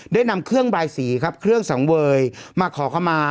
ได้นำเครื่องบายสีครับเครื่องสังเวยมาขอเข้ามา